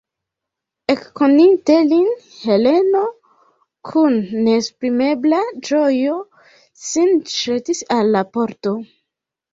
Ekkoninte lin, Heleno kun neesprimebla ĝojo sin ĵetis al la pordo.